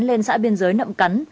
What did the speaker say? lên xã biên giới nậm cắn